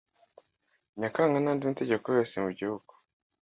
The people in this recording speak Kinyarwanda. nyakanga n andi mategeko yose mugihugu